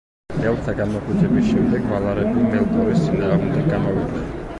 ელფთა გამოღვიძების შემდეგ ვალარები მელკორის წინააღმდეგ გამოვიდნენ.